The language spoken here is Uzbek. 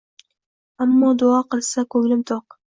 Ammo duo qilsa kunglim tuq